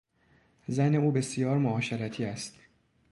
زن او بسیار معاشرتی است.